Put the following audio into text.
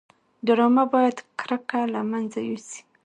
ډرامه باید کرکه له منځه یوسي